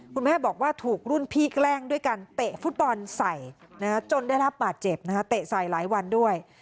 คุณแม่บอกว่าถูกรุ่นพี่แกล้งด้วยการเตะฟุตบอลใส่จนได้รับบาดเจ็บเตะใส่หลายวันด้วย